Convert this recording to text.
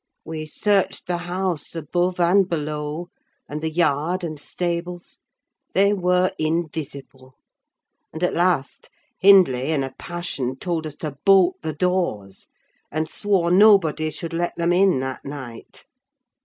We searched the house, above and below, and the yard and stables; they were invisible: and, at last, Hindley in a passion told us to bolt the doors, and swore nobody should let them in that night.